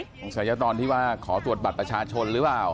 สงสัยจะตอนที่ว่าขอตรวจบัตรประชาชนหรือเปล่า